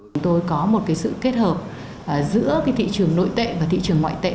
chúng tôi có một sự kết hợp giữa thị trường nội tệ và thị trường ngoại tệ